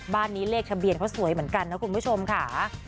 บ้านนี้เลขทะเบียนเขาสวยเหมือนกันนะคุณผู้ชมค่ะ